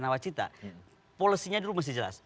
nawacita polisinya dulu masih jelas